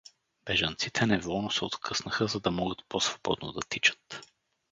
Бежанците неволно се откъснаха, за да могат по-свободно да тичат.